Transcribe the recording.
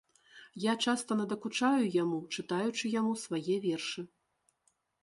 Я часта надакучаю яму, чытаючы яму свае вершы.